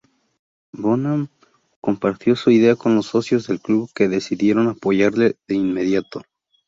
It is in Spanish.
Bonham compartió su idea con los socios del club que decidieron apoyarle de inmediato.